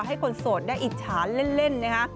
ให้คนโสดได้อิจฉาแน่น